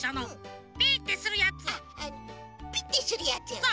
ピッてするやつよね。